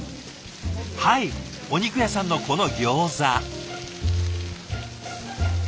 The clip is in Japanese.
はいお肉屋さんのこのギョーザ。